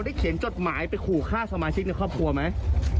เขียนจดหมายไปขู่ฆ่าสมาชิกในครอบครัวไหม